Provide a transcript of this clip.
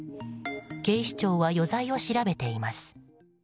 警視庁は余罪を調べています。